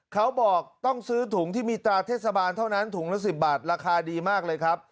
เขาบอกต้องซื้อถุงที่มีตราเทศบาลเท่านั้นถุงละ๑๐บาทราคาดีมากเลยครับ